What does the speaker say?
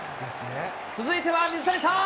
続いては水谷さん。